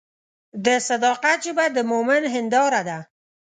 د صداقت ژبه د مؤمن هنداره ده.